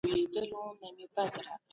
موږ د پوهنتون په غونډه کي ګډون وکړ.